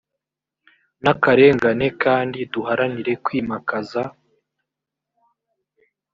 n akarengane kandi duharanire kwimakaza